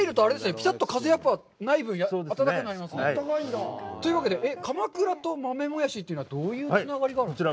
ピタッと風がない分、暖かくなりますね。というわけで、かまくらと豆もやしというのはどういうつながりがあるんですか。